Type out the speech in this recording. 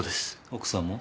奥さんも？